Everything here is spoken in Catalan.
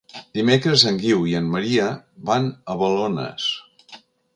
Dimecres en Guiu i en Maria van a Balones.